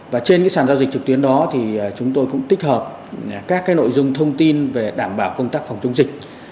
và trên sàn giao dịch trực tuyến đó thì chúng tôi cũng tích hợp các nội dung thông tin về đảm bảo công tác phòng chống dịch